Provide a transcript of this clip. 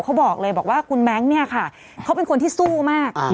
เขาบอกเลยบอกว่าคุณแบงค์เนี่ยค่ะเขาเป็นคนที่สู้มาก